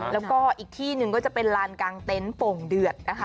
แล้วก็อีกที่หนึ่งก็จะเป็นลานกลางเต็นต์โป่งเดือดนะคะ